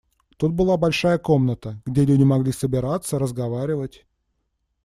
Тут была большая комната, где люди могли собираться, разговаривать.